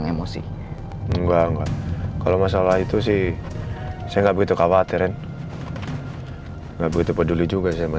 semoga kamu baik baik aja ya